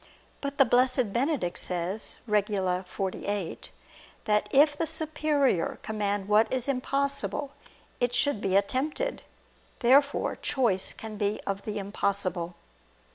But the Blessed Benedict says (Regula lxviii) that if the superior command what is impossible, it should be attempted. Therefore choice can be of the impossible.